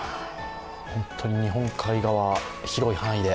本当に日本海側、広い範囲で